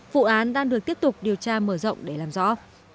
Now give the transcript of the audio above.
vụ án đang được tiếp tục điều tra mở rộng để làm rõ